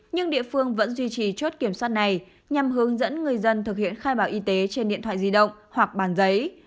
nhưng địa phương vẫn duy trì chốt kiểm soát này nhằm hướng dẫn người dân thực hiện khai báo y tế trên điện thoại di động hoặc bàn giấy